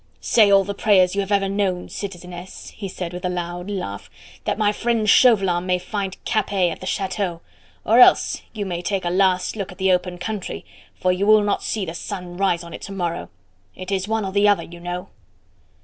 "Say all the prayers you have ever known, citizeness," he said with a loud laugh, "that my friend Chauvelin may find Capet at the chateau, or else you may take a last look at the open country, for you will not see the sun rise on it to morrow. It is one or the other, you know."